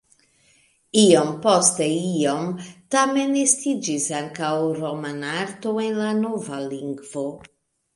Iom post iom tamen estiĝis ankaŭ romanarto en la nova lingvo.